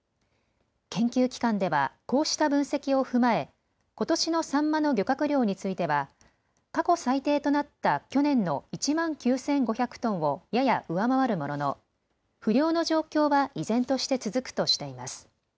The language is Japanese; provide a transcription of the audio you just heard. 研究機関ではこうした分析を踏まえことしのサンマの漁獲量については過去最低となった去年の１万９５００トンをやや上回るものの不漁の状況は依然として続くとしています。